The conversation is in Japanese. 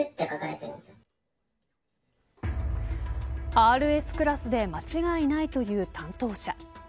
ＲＳクラスで間違いないと言う担当者。